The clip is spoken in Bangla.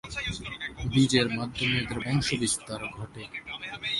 বীজের মাধ্যমে এদের বংশবিস্তার ঘটে।